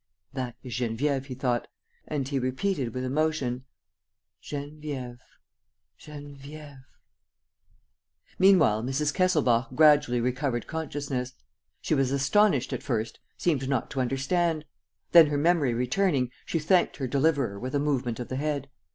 "That is Geneviève," he thought. And he repeated with emotion, "Geneviève ... Geneviève. ..." Meanwhile, Mrs. Kesselbach gradually recovered consciousness. She was astonished at first, seemed not to understand. Then, her memory returning, she thanked her deliverer with a movement of the head.